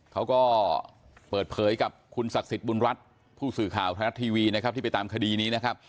เขาก็เปิดเผยกับคุณศักดิ์สิทธิ์บุญรัฐผู้สื่อข่าวไทยรัฐทีวีนะครับที่ไปตามคดีนี้นะครับ